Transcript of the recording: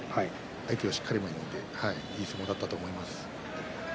相手をしっかり前に置いていい相撲だったと思います。